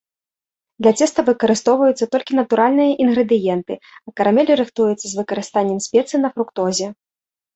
Для цеста выкарыстоўваюцца толькі натуральныя інгрэдыенты, а карамель рыхтуецца з выкарыстаннем спецый на фруктозе.